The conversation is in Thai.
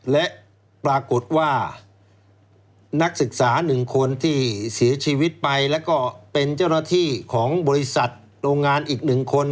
และปรากฏว่านักศึกษา๑คนที่เสียชีวิตไปแล้วก็เป็นเจ้าหน้าที่ของบริษัทโรงงานอีก๑คน